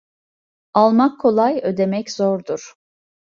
Almak kolay ödemek zordur.